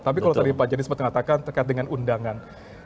tapi kalau tadi pak jadis mengatakan terkait dengan undangan